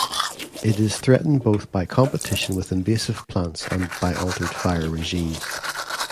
It is threatened both by competition with invasive plants and by altered fire regimes.